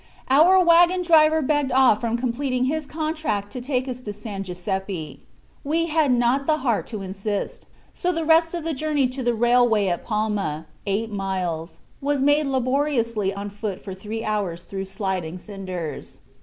Our wagon driver begged off from completing his contract to take us to San Giuseppe. We had not the heart to insist, so the rest of the journey to the railway at Palma, eight miles, was made laboriously on foot for three hours through sliding cinders.